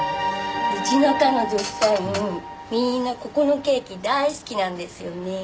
うちの課の女子社員みんなここのケーキ大好きなんですよねえ。